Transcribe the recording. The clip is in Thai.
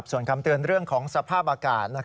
ส่วนคำเตือนเรื่องของสภาพอากาศ